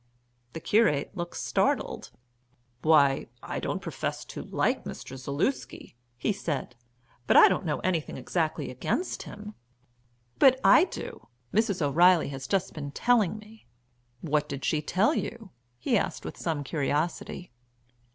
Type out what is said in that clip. The curate looked startled. "Why, I don't profess to like Mr. Zaluski," he said. "But I don't know anything exactly against him." "But I do. Mrs. O'Reilly has just been telling me." "What did she tell you?" he asked with some curiosity.